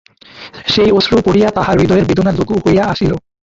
সেই অশ্রু পড়িয়া তাঁহার হৃদয়ের বেদনা লঘু হইয়া আসিল।